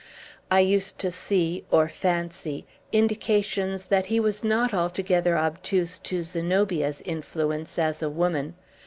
I used to see, or fancy, indications that he was not altogether obtuse to Zenobia's influence as a woman.